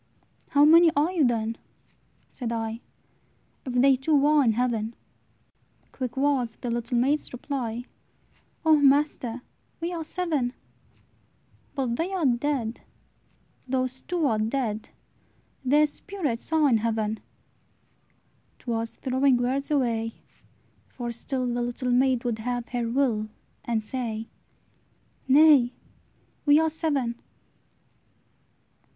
"How many are you, then," said I, "If they two are in heaven?" Quick was the little maid's reply, "O master! we are seven." "But they are dead; those two are dead! Their spirits are in heaven!" 'T was throwing words away; for still The little maid would have her will, And say, "Nay, we are seven!"